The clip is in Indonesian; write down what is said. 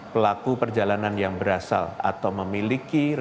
pelaku perjalanan yang berasal dari negara dan pelaku perjalanan dalam h kurz deutschen